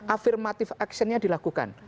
affirmative action nya dilakukan